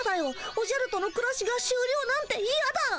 おじゃるとのくらしがしゅうりょうなんていやだ。